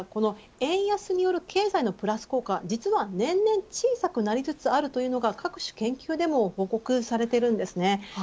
円安による経済のプラス効果実は年々小さくなりつつあるというのが各種研究でも報告されています。